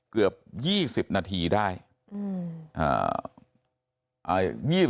เกือบ๒๐นาทีได้